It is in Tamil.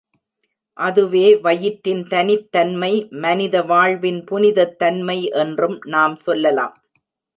அதுவே வயிற்றின் தனித்தன்மை, மனித வாழ்வின் புனிதத் தன்மை என்றும் நாம் சொல்லலாம்.